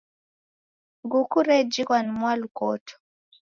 Nguku rejighwa ni mwalukoto.